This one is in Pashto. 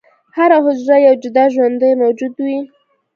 هره حجره یو جدا ژوندی موجود وي.